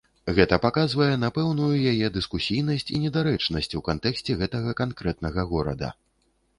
Гэта паказвае на пэўную яе дыскусійнасць і недарэчнасць у кантэксце гэтага канкрэтнага горада.